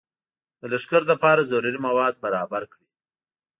د لښکر لپاره ضروري مواد برابر کړي.